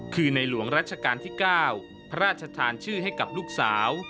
คือในหลวงรัชกาลที่๙พระราชทานชื่อให้กับลูกสาว